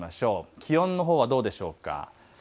気温はどうでしょうか。